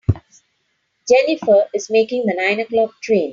Jennifer is making the nine o'clock train.